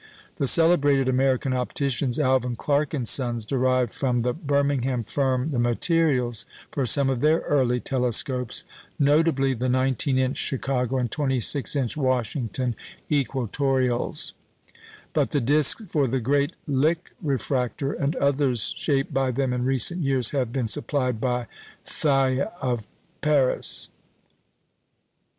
The celebrated American opticians, Alvan Clark & Sons, derived from the Birmingham firm the materials for some of their early telescopes, notably the 19 inch Chicago and 26 inch Washington equatoreals; but the discs for the great Lick refractor, and others shaped by them in recent years, have been supplied by Feil of Paris.